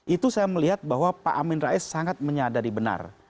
itu saya melihat bahwa pak amin rais sangat menyadari benar